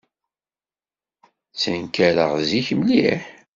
Ttenkareɣ zik mliḥ.